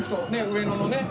上野のね